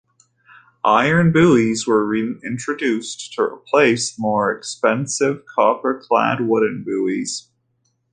Iron buoys were introduced to replace the more expensive copper-clad wooden buoys.